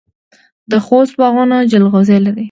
د خوست باغونه جلغوزي لري.